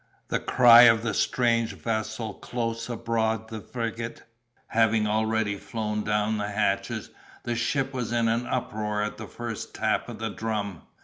The cry of "a strange vessel close aboard the frigate," having already flown down the hatches, the ship was in an uproar at the first tap of the drum.